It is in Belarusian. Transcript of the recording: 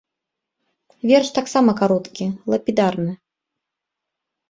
Верш таксама кароткі, лапідарны.